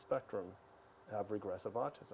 penyakit hidup di institusi